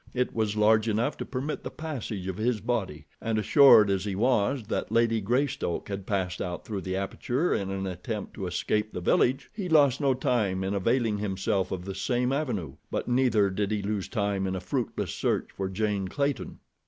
It was large enough to permit the passage of his body, and assured as he was that Lady Greystoke had passed out through the aperture in an attempt to escape the village, he lost no time in availing himself of the same avenue; but neither did he lose time in a fruitless search for Jane Clayton.